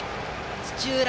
土浦